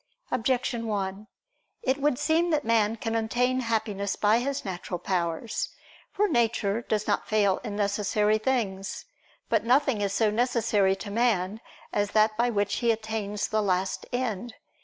Objection 1: It would seem that man can attain Happiness by his natural powers. For nature does not fail in necessary things. But nothing is so necessary to man as that by which he attains the last end.